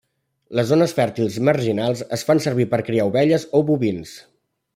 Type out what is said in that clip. Les zones fèrtils marginals es fan servir per criar ovelles o bovins.